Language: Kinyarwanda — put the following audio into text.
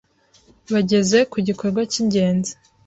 bageze ku gikorwa cy'ingenzi